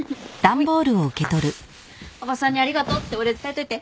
おばさんにありがとうってお礼伝えといて。